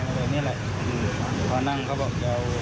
แบบนี้แหละ